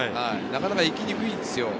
なかなか行きにくいですよ。